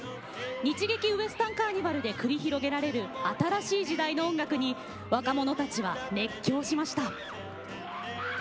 日劇ウエスタンカーニバルで繰り広げられる新しい時代の音楽に若者たちが熱狂しました。